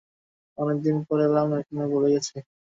অনেক দিন পর এলাম এখানে, ভুলে গেছি।